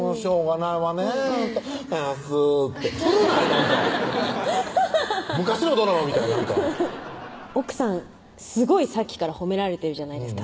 なんか昔のドラマみたいなんか奥さんすごいさっきから褒められてるじゃないですか